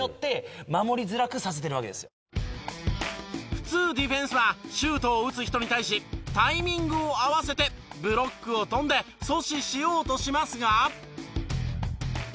普通ディフェンスはシュートを打つ人に対しタイミングを合わせてブロックを跳んで阻止しようとしますが。